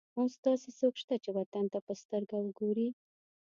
اوس داسې څوک شته چې وطن ته په سترګه وګوري.